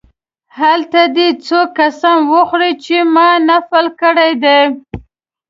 هلته دې څوک قسم وخوري چې ما نفل کړی دی.